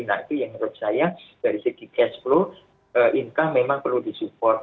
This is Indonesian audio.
nah itu yang menurut saya dari segi cash flow income memang perlu disupport